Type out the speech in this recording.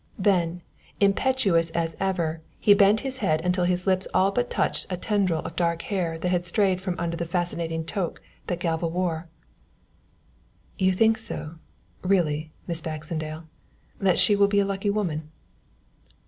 Then, impetuous as ever, he bent his head until his lips all but touched a tendril of dark hair that had strayed from under the fascinating toque that Galva wore. "You think so, really, Miss Baxendale, that she will be a lucky woman.